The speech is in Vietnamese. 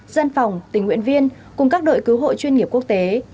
dân phòng tình nguyện viên cùng các đội cứu hộ chuyên nghiệp quốc tế